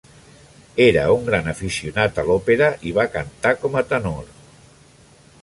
Era un gran aficionat a l'òpera i va cantar com a tenor.